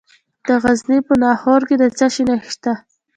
د غزني په ناهور کې د څه شي نښې شته؟